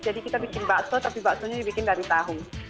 jadi kita bikin bakso tapi baksonya dibikin dari tahu